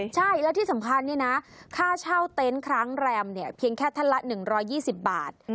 ใช่แล้วที่สำคัญเนี่ยนะค่าเช่าเต็นต์ครั้งแรมเนี่ยเพียงแค่ท่านละ๑๒๐บาท